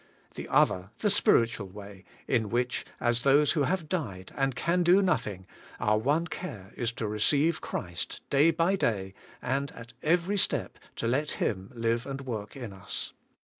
The other AND NOT IN SELF, 221 the spiritual way, in which, as those who have died, and can do nothing, our one care is to receive Christ day by day, and at every step to let Him live and work in us.